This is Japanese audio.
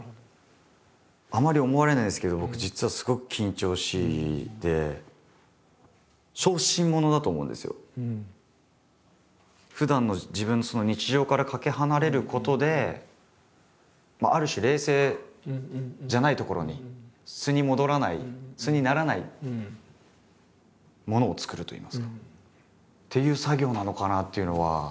あんまり思われないんですけど僕実はふだんの自分の日常からかけ離れることである種冷静じゃないところに素に戻らない素にならないものを作るといいますか。っていう作業なのかなというのは。